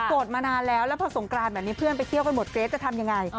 มานานแล้วแล้วพอสงกรานแบบนี้เพื่อนไปเที่ยวกันหมดเกรทจะทำยังไง